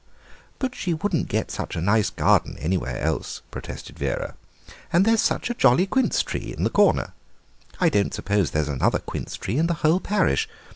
"But she wouldn't get such a nice garden anywhere else," protested Vera, "and there's such a jolly quince tree in the corner. I don't suppose there's another quince tree in the whole parish.